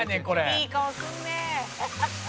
「いい顔するね！」